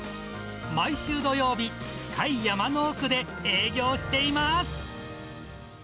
毎週土曜日、深い山の奥で営業しています。